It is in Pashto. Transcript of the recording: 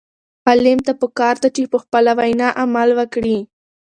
عالم ته پکار ده چې په خپله وینا عمل وکړي.